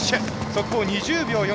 速報２０秒４８。